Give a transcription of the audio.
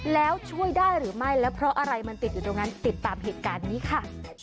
แล้วช่วยได้หรือไม่แล้วเพราะอะไรมันติดอยู่ตรงนั้นติดตามเหตุการณ์นี้ค่ะ